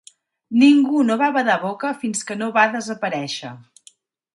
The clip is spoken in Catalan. Ningú no va badar boca fins que no va desaparèixer.